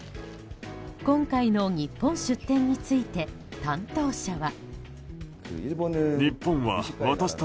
今回の日本出店について担当者は。